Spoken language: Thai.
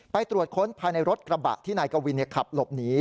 ตรวจค้นภายในรถกระบะที่นายกวินขับหลบหนี